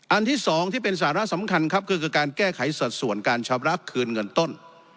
ที่สองที่เป็นสาระสำคัญครับก็คือการแก้ไขสัดส่วนการชำระคืนเงินต้น